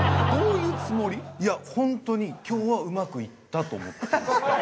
いやホントに今日はうまくいったと思ってますね。